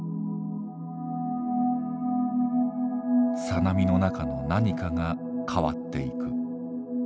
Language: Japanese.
小波の中の何かが変わっていく。